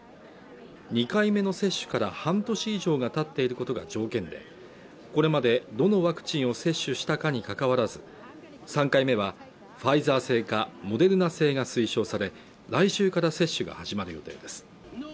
２回目の接種から半年以上がたっていることが条件でこれまでどのワクチンを接種したかにかかわらず３回目はファイザー製かモデルナ製が推奨され来週から接種が始まる予定です